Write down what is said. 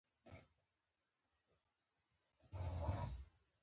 پښتني دودونه د افغانستان ملي شتمني ده.